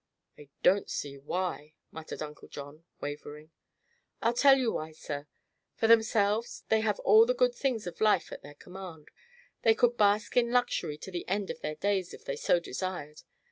"I don't see why," muttered Uncle John, wavering. "I'll tell you why, sir. For themselves, they have all the good things of life at their command. They could bask in luxury to the end of their days, if they so desired.